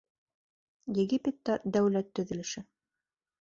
Египетта дәүләт төҙөлөшө.